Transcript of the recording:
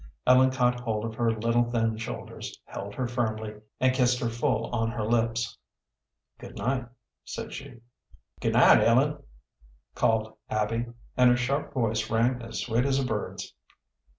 Ellen caught hold of her little, thin shoulders, held her firmly, and kissed her full on her lips. "Good night," said she. "Good night, Ellen," called Abby, and her sharp voice rang as sweet as a bird's.